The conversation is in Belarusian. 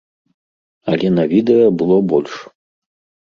Але на відэа было больш.